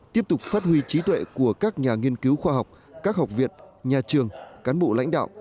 tiếp tục phát huy trí tuệ của các nhà nghiên cứu khoa học các học viện nhà trường cán bộ lãnh đạo